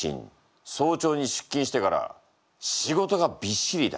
早朝に出勤してから仕事がびっしりだ。